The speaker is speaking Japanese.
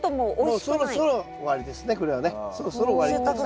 そろそろ終わりですね